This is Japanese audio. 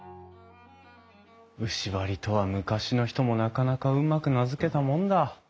牛梁とは昔の人もなかなかうまく名付けたもんだ。